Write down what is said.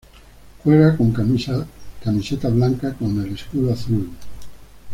Juega con camiseta blanca con el escudo azul.